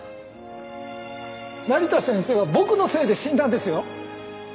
成田先生は僕のせいで死んだんですよ？